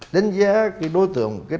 đánh giá cái đối tượng